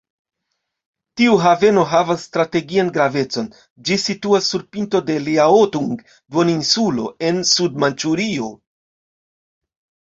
Tiu haveno havas strategian gravecon, ĝi situas sur pinto de Liaotung-duoninsulo, en Sud-Manĉurio.